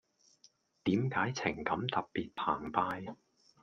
點解情感特別澎湃⠀